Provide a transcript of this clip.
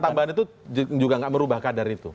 kalau pernyataan tambahan itu juga nggak merubah kadar itu